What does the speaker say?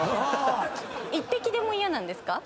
１滴でも嫌なんですか？